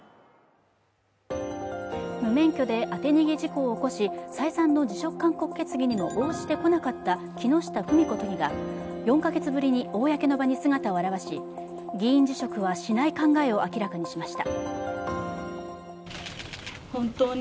無免許で当て逃げ事故を起こし再三の辞職決議にも応じてこなかった木下富美子都議が４カ月ぶりに公の場に姿を現し議員辞職はしない考えを明らかにしました。